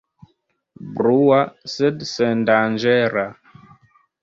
Brua, sed sendanĝera.